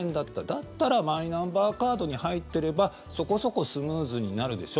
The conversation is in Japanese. だったらマイナンバーカードに入ってればそこそこスムーズになるでしょ